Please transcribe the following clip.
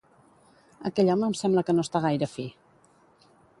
Aquell home em sembla que no està gaire fi